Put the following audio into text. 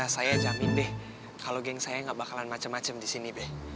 saya jamin be kalau geng saya gak bakalan macem macem di sini be